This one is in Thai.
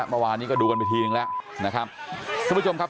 เมื่อวานนี้ก็ดูกันไปทีนึงแล้วนะครับทุกผู้ชมครับ